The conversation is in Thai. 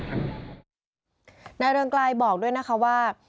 หน้าเรืองใกล้บอกด้วยว่า